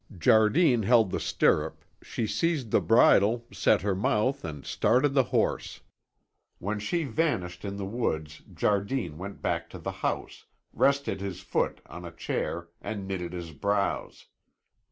Jardine held the stirrup, she seized the bridle, set her mouth and started the horse. When she vanished in the woods Jardine went back to the house, rested his foot on a chair, and knitted his brows.